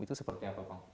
itu seperti apa bang